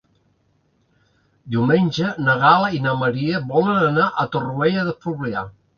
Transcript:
Diumenge na Gal·la i na Maria volen anar a Torroella de Fluvià.